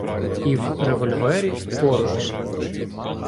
І в револьвері порожньо.